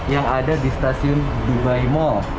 yang ada di stasiun dubai mall